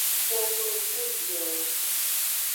Koklo ku viewo.